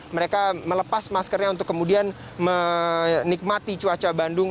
mereka melepas maskernya untuk kemudian menikmati cuaca bandung